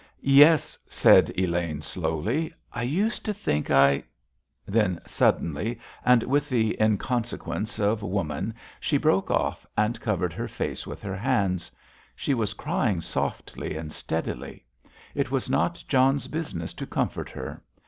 "Yes," said Elaine slowly. "I used to think I——" Then suddenly, and with the inconsequence of woman, she broke off and covered her face with her hands. She was crying softly and steadily. It was not John's business to comfort her.